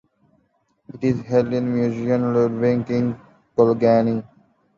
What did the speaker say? It is held in the Museum Ludwig in Cologne.